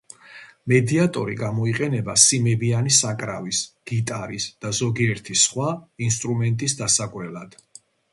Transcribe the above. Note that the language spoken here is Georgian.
მედიატორი გამოიყენება სიმებიანი საკრავის, გიტარის, და ზოგიერთი სხვა ინსტრუმენტის დასაკვრელად.